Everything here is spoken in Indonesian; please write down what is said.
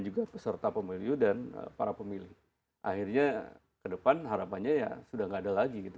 juga peserta pemilu dan para pemilih akhirnya ke depan harapannya ya sudah nggak ada lagi gitu